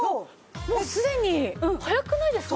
もうすでに早くないですか？